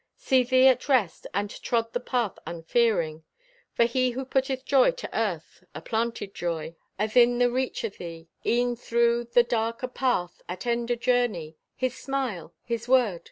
Set thee at rest, and trod the path unfearing. For He who putteth joy to earth, aplanted joy Athin the reach o' thee, e'en through The dark o' path at end o' journey. His smile! His word!